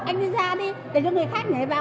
anh đi ra đi để cho người khác nhảy vào